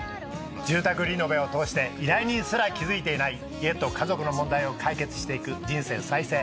住宅リノベを通して依頼人すら気付いていない家と家族の問題を解決していく人生再生